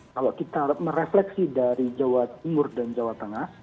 kalau kita merefleksi dari jawa timur dan jawa tengah